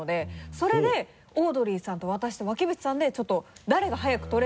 それでオードリーさんと私と脇淵さんでちょっと誰が速く取れるか。